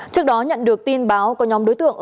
trước đó nhận được tin báo có nhóm đối tượng